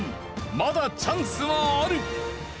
まだチャンスはある！